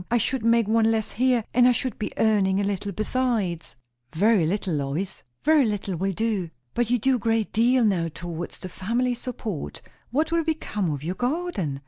I should make one less here, and I should be earning a little besides." "Very little, Lois!" "Very little will do." "But you do a great deal now towards the family support. What will become of your garden?"